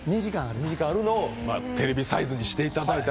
２時間あるのをテレビサイズにしていただいたと。